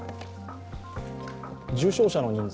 重症者の人数